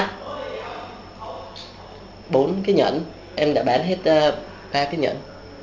bốn cái nhẫn em đã bán hết hai cái nhẫn